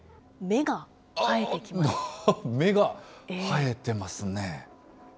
芽が生えてますね。